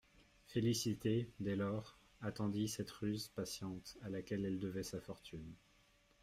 Félicité, dès lors, attendit avec cette ruse patiente à laquelle elle devait sa fortune.